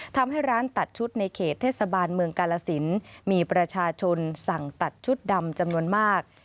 ทำให้ร้านตัดชุดในเขตเทศบาลเมืองกาลสินมีประชาชนสั่งตัดชุดดำจำนวนมาก